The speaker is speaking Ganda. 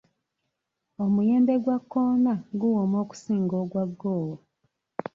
Omuyembe gwa kkoona guwooma okusinga ogwa googwa.